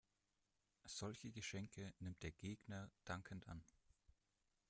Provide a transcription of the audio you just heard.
Solche Geschenke nimmt der Gegner dankend an.